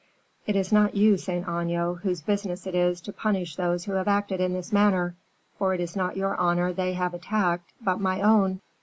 It is not you, Saint Aignan, whose business it is to punish those who have acted in this manner, for it is not your honor they have attacked, but my own."